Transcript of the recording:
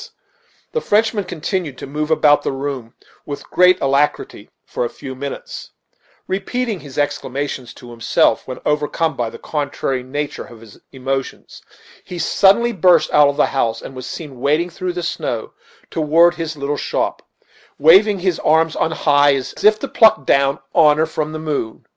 The Frenchman continued to move about the room with great alacrity for a few minutes, repeating his exclamations to himself; when overcome by the contrary nature of his emotions, he suddenly burst out of the house, and was seen wading through the snow toward his little shop, waving his arms on high, as if to pluck down honor from the moon.